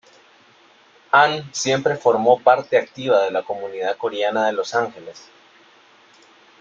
Ahn siempre formó parte activa de la comunidad coreana de Los Ángeles.